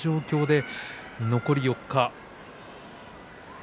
残り４日。